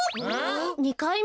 ２かいめ？